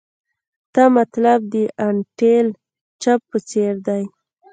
تا مطلب د انټیل چپ په څیر دی